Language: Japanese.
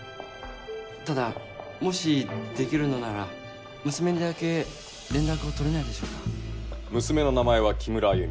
ただもしできるのなら娘にだけ連絡を取れないでしょうか娘の名前は木村あゆみ